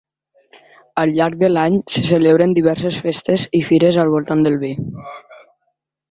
Al llarg de l'any se celebren diverses festes i fires al voltant del vi.